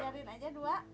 jarin aja dua